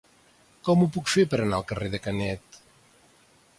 Com ho puc fer per anar al carrer de Canet?